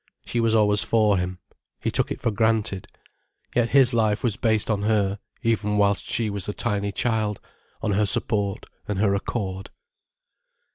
She was always for him. He took it for granted. Yet his life was based on her, even whilst she was a tiny child, on her support and her accord.